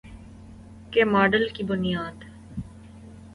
کے ماڈل کی بنیاد